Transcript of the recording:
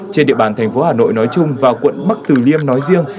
trên địa bàn thành phố hà nội nói chung và quận bắc từ liêm nói riêng